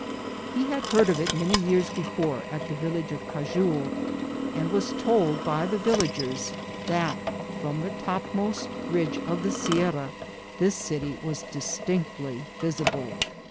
He had heard of it many years before at the village of Chajul, and was told by the vil lagers that from the topmost ridge of the sierra this city was distinctly visible.